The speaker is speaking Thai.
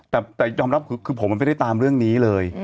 แต่ยอมรับคือผมมันไม่ได้ตามเรื่องนี้เลย